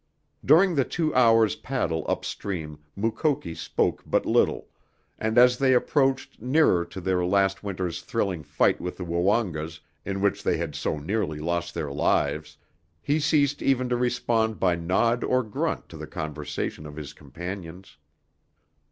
During the two hours' paddle up stream Mukoki spoke but little, and as they approached nearer to their last winter's thrilling fight with the Woongas, in which they had so nearly lost their lives, he ceased even to respond by nod or grunt to the conversation of his companions.